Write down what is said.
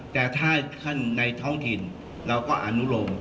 แต่ถ้าท่านในท้องถิ่นเราก็อนุโลม